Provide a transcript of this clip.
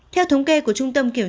theo thống kê của trung tâm kinh tế